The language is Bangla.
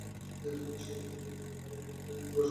তুমি নিশ্চয় বিমানের একেবারে পিছনের দিকে বসে ছিলে।